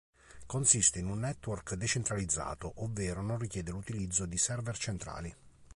Consiste in un network decentralizzato, ovvero non richiede l'utilizzo di server centrali.